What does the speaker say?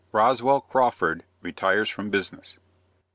ROSWELL CRAWFORD RETIRES FROM BUSINESS.